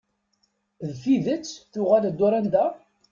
D tidet tuɣal-d Dorenda?